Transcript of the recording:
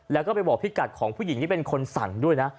แล้วก็ไปบอกพี่กัดของผู้หญิงที่เป็นคนสั่งด้วยนะ